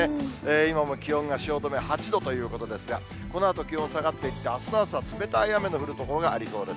今も気温が汐留８度ということですが、このあと気温下がっていって、あすの朝、冷たい雨の降る所がありそうです。